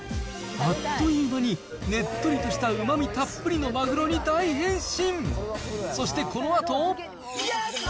あっという間に、ねっとりとしたうまみたっぷりのマグロに大変身。